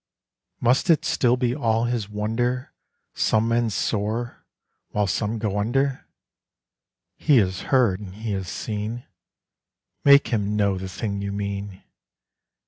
Must it still be all his wonder Some men soar, while some go under? He has heard, and he has seen: Make him know the thing you mean.